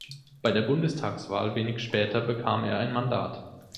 Bei der Bundestagswahl wenig später bekam er ein Mandat.